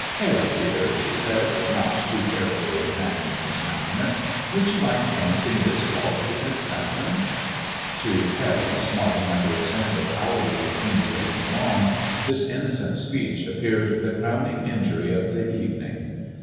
" Parry, dear," she said, not too carefully examining his countenance, ''would you mind dancing this waltz with Miss Duncombe ?" To Parry, smarting under a sense of hourly accumulating wrong, this innocent speech appeared the crowning injury of the evening.